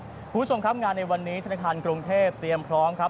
คุณผู้ชมครับงานในวันนี้ธนาคารกรุงเทพเตรียมพร้อมครับ